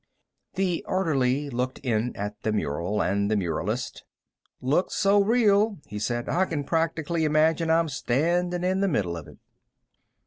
The orderly looked in at the mural and the muralist. "Looks so real," he said, "I can practically imagine I'm standing in the middle of it."